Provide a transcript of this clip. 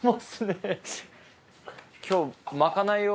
今日。